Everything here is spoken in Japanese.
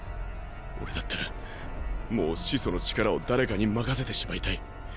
俺だったらもう始祖の力を誰かに任せてしまいたい。